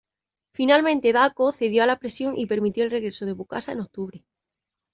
Finalmente Dacko cedió a la presión y permitió el regreso de Bokassa en octubre.